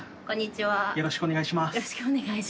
よろしくお願いします。